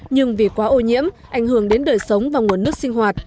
nhưng vì quá ô nhiễm ảnh hưởng đến đời sống và nguồn nước sinh hoạt